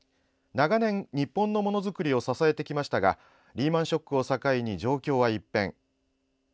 長年、日本のものづくりを支えてきましたがリーマン・ショックを境に状況は一変。